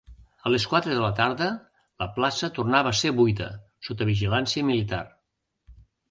A les quatre de la tarda, la plaça tornava a ser buida, sota vigilància militar.